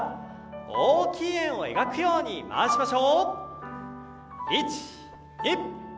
大きい円を描くように回しましょう。